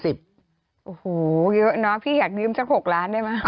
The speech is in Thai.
โอ้โหเยอะเนาะพี่อยากยืมสัก๖ล้านได้ไหม